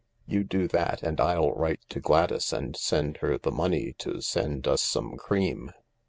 " You do that and I'll write to Gladys and send her the money to send us some cream.